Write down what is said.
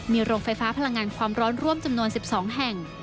มีโรงไฟฟ้าพลังงานความร้อนร่วมจำนวน๑๒แห่ง